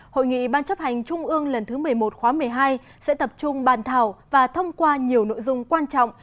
hội nghị ban chấp hành trung ương lần thứ một mươi một khóa một mươi hai sẽ tập trung bàn thảo và thông qua nhiều nội dung quan trọng